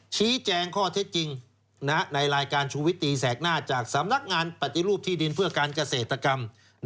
ชี้แจงข้อเท็จจริงในรายการชูวิตตีแสกหน้าจากสำนักงานปฏิรูปที่ดินเพื่อการเกษตรกรรม